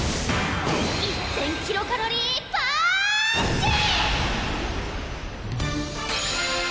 １０００キロカロリーパーンチ！